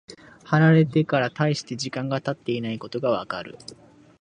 貼られてから大して時間が経っていないことがわかる。